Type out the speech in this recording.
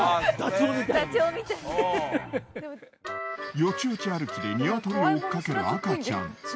ヨチヨチ歩きでニワトリを追っかける赤ちゃん。